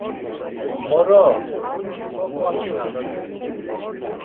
Moro, dunç̌u kogvapinasere.